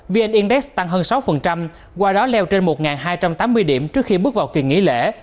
vn index tăng hơn sáu qua đó leo trên một hai trăm tám mươi điểm trước khi bước vào kỳ nghỉ lễ